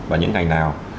và những ngành nào